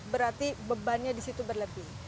berarti bebannya disitu berlebih